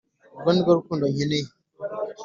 urwo nirwo rukundo nkeneye